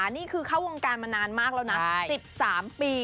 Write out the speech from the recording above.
นี่คือเข้าวงการมานานมากแล้วนะ๑๓ปี